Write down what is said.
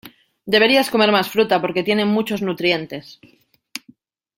Deberías comer más fruta porque tienen muchos nutrientes.